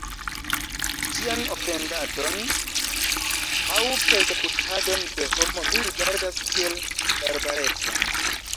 Ĉian ofendadon aŭ persekutadon de homo mi rigardas kiel barbarecon.